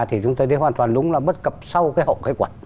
thì chúng tôi thấy hoàn toàn đúng là bất cập sau cái hậu khai quật